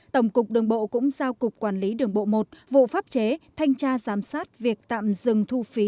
tổng cục đường bộ cũng giao cục quản lý đường bộ một vụ pháp chế thanh tra giám sát việc tạm dừng thu phí